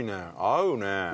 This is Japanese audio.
合うね。